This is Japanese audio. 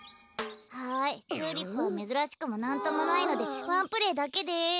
はいチューリップはめずらしくもなんともないのでワンプレーだけです。